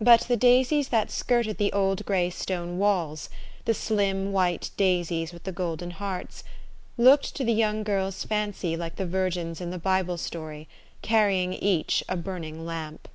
But the daisies that skirted the old gray stone walls the slim, white daisies with the golden hearts looked to the young girl's fancy like the virgins in the Bible story, carrying each a burning lamp.